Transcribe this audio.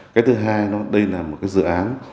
cái thứ hai đây là một dự án